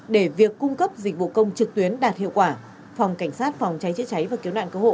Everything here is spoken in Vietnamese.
để việc cung cấp dịch vụ công trực tuyến đạt hiệu quả phòng cảnh sát phòng cháy chữa cháy và cứu nạn cứu hộ